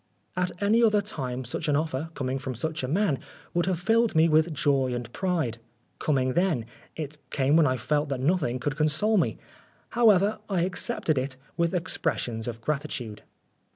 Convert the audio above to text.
At any other time such an offer, coming from such a man, would have filled me with joy and pride. Coming then, it came when I felt that nothing could console me. How ever, I accepted it, with expressions of grati tude.